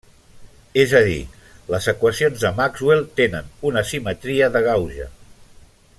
És a dir, les equacions de Maxwell tenen una simetria de gauge.